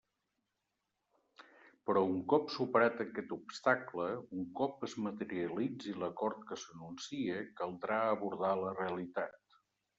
Però un cop superat aquest obstacle, un cop es materialitzi l'acord que s'anuncia, caldrà abordar la realitat.